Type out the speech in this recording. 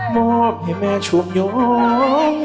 มอบให้แม่ชุมโยง